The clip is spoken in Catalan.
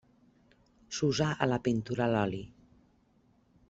S'usa a la pintura a l'oli.